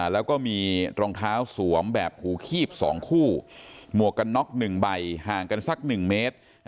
แล้วก็มีรองเท้าสวมแบบหูคีบ๒คู่หมวกกันน็อก๑ใบห่างกันสัก๑เมตร